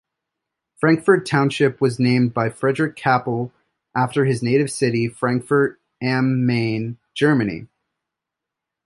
Frankfort Township was named by Frederick Cappel after his native city, Frankfurt-am-Main, Germany.